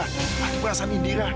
hati perasaan indira